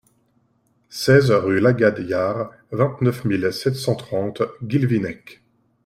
seize rue Lagad Yar, vingt-neuf mille sept cent trente Guilvinec